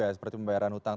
ya seperti pembayaran hutang